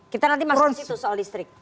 kita nanti masuk ke situ soal listrik